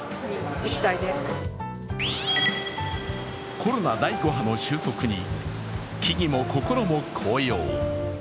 コロナ第５波の収束に木々も心も紅葉。